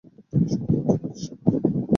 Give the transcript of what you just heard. তিনি শরিফ মঞ্জিল প্রতিষ্ঠা করেন।